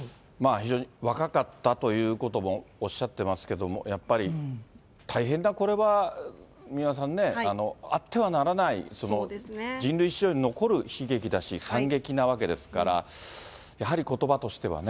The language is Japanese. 非常に若かったということもおっしゃってますけども、やっぱり大変なこれは、三輪さんね、あってはならない、人類史上に残る悲劇だし、惨劇なわけですから、やはりことばとしてはね。